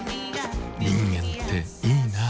人間っていいナ。